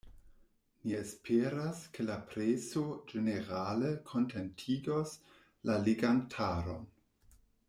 Ni esperas, ke la preso ĝenerale kontentigos la legantaron.